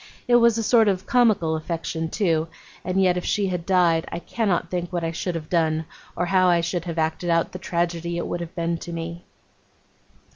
It was a sort of comical affection, too; and yet if she had died, I cannot think what I should have done, or how I should have acted out the tragedy it would have been to me.